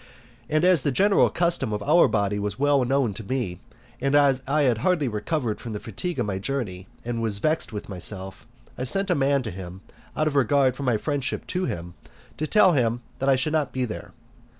And as the general custom of our body was well known to me, and as I was hardly recovered from the fatigue of my journey, and was vexed with myself, I sent a man to him, out of regard for my friendship to him, to tell him that I should not be there.